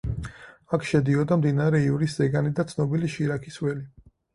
აქ შედიოდა მდინარე ივრის ზეგანი და ცნობილი შირაქის ველი.